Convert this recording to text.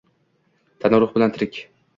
Tana ruh bilan tirik.